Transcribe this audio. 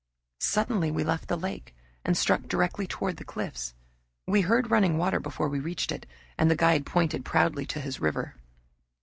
Suddenly we left the lake and struck directly toward the cliffs. We heard running water before we reached it, and the guide pointed proudly to his river.